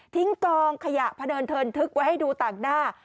กองขยะพะเนินเทินทึกไว้ให้ดูต่างหน้า